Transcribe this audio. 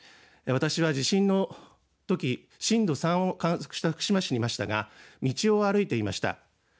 私は地震のとき震度３を観測した福島市にいましたが道を歩いていました。